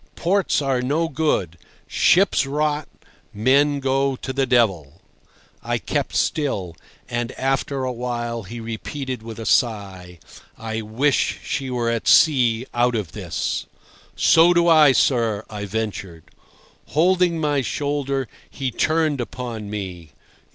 "Ports are no good—ships rot, men go to the devil!" I kept still, and after a while he repeated with a sigh. "I wish she were at sea out of this." "So do I, sir," I ventured. Holding my shoulder, he turned upon me.